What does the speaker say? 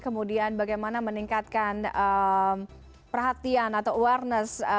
kemudian bagaimana meningkatkan perhatian atau awareness